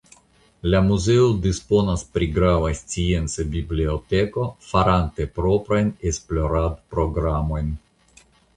La muzeo disponas pri grava scienca biblioteko farante proprajn esploradprogramojn.